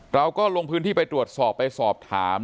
เราก็ลงพื้นที่ไปตรวจสอบไปสอบถาม